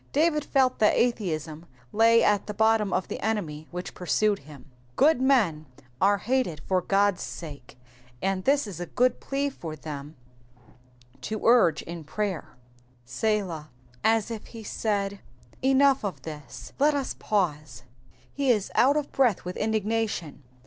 David felt that atheism lay at the bottom of the enmity which pursued him. Good men are hated for God's sake, and this is a good plea for them to urge in prayer. ' ^Selah, " As if he said, *' Enough of this, let us pause." He is out of breath with indignation.